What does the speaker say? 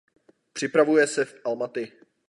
Připravuje se v Almaty.